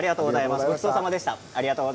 ごちそうさまでした。